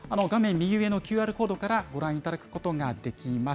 右上のＱＲコードから、ご覧いただくことができます。